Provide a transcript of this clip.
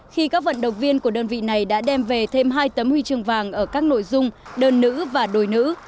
khi các vận động viên của đơn vị này đã đem về thêm hai tấm huy chương vàng ở các nội dung đơn nữ và đồi nữ